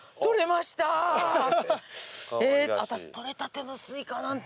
私採れたてのスイカなんて。